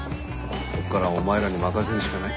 ここからはお前らに任せるしかない。